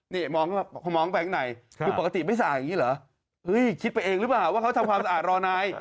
นี่เขามองไปข้างในคือปกติไม่สะอาดอย่างนี้เหรอคิดไปเองหรือเปล่าว่าเขาทำความสะอาดรอนาย